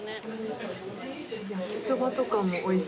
焼きそばとかもおいしそうです。